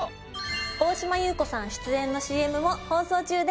大島優子さん出演のＣＭも放送中です。